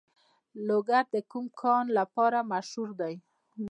لوګر د کوم کان لپاره مشهور دی؟